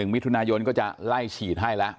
มิถุนายนก็จะไล่ฉีดให้แล้ว